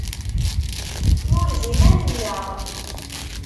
Nurez iman-nneɣ.